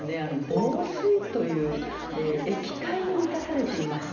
房水という液体に満たされていまして